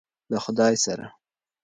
له خدای سره.